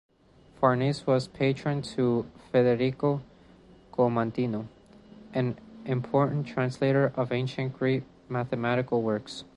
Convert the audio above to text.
Farnese was patron to Federico Commandino, an important translator of ancient Greek mathematical works.